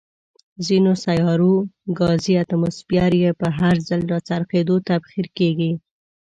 ځینو سیارو ګازي اتموسفیر یې په هر ځل راڅرخېدو، تبخیر کیږي.